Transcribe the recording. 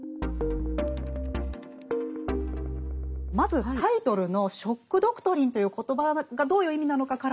まずタイトルの「ショック・ドクトリン」という言葉がどういう意味なのかから教えて頂けますか？